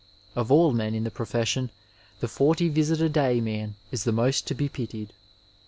Of all men in the profession the forty visit a day man is the most to be pitied.